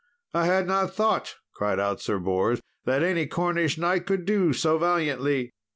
"I had not thought," cried out Sir Bors, "that any Cornish knight could do so valiantly."